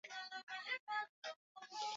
kuna dawa ambazo zinatoka katika nchi ya china